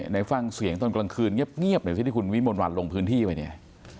ในฟังเสียงตอนกลางคืนเงียบเหมือนที่ที่คุณวิมวันหวั่นลงพื้นที่ไว้เนี่ย